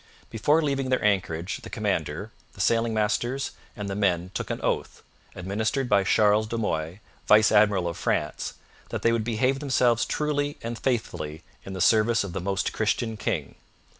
Before leaving their anchorage the commander, the sailing masters, and the men took an oath, administered by Charles de Mouy, vice admiral of France, that they would behave themselves truly and faithfully in the service of the Most Christian King.